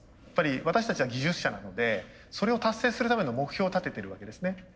やっぱり私たちは技術者なのでそれを達成するための目標を立ててるわけですね。